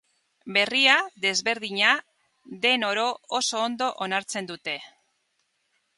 Berria, desberdina, den oro oso ondo onartzen dute.